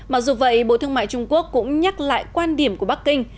mặc dù vậy bộ thương mại trung quốc cũng nhắc lại quan điểm của bắc kinh